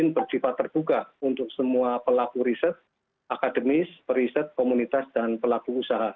yang tiba tiba terbuka untuk semua pelaku riset akademis riset komunitas dan pelaku usaha